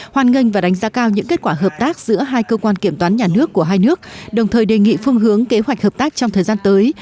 hoan nghênh và đánh giá cao những kết quả hợp tác giữa hai cơ quan kiểm toán nhà nước của hai nước đồng thời đề nghị phương hướng kế hoạch hợp tác trong thời gian tới